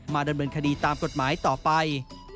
ดำเนินคดีตามกฎหมายต่อไป